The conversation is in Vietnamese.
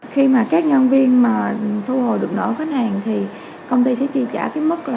khi mà các nhân viên thu hồi được nợ khách hàng thì công ty sẽ chi trả mức